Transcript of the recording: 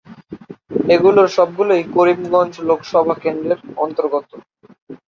এগুলোর সবগুলোই করিমগঞ্জ লোকসভা কেন্দ্রের অন্তর্গত।